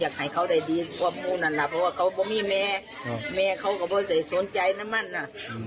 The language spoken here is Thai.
อยากให้เขาได้ดีกว่าเพราะว่าเขาไม่มีแม่เขาก็ไม่สนใจนะมันนะ